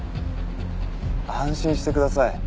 安心してください。